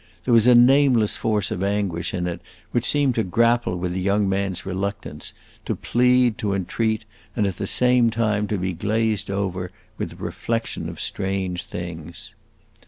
There was a nameless force of anguish in it which seemed to grapple with the young man's reluctance, to plead, to entreat, and at the same time to be glazed over with a reflection of strange things.